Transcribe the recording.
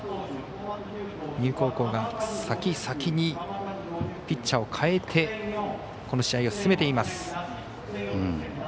丹生高校が先、先にピッチャーを代えてこの試合を進めています。